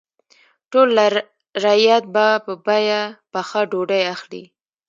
ټول رعیت به په بیه پخه ډوډۍ اخلي.